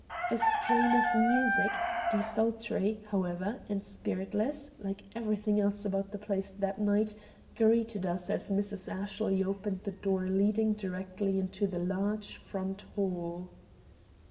A strain of music, desultory, however, and spiritless, like everything else about the place that night, greeted us as Mrs. Ashley opened the door leading directly into the large front hall.